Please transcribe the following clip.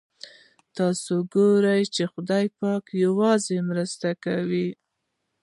تاسو ګورئ چې خدای پاک یوازې مرسته کوي.